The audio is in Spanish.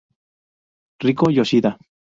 Riko Yoshida